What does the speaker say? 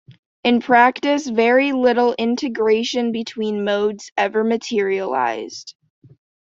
In practice, very little integration between modes ever materialised.